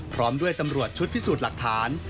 พร้อมด้วยตำรวจชุดพิสูจน์หลักฐาน